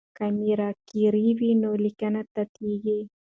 که مارکر وي نو لیکنه نه تتېږي.